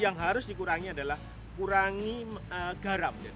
yang harus dikurangi adalah kurangi garam